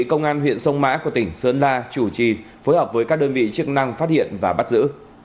công an huyện sông mã của tỉnh sơn la chủ trì phối hợp với các đơn vị chức năng phát hiện và bắt giữ